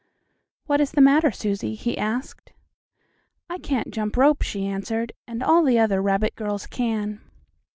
"What is the matter, Susie?" he asked. "I can't jump rope," she answered, "and all the other rabbit girls can."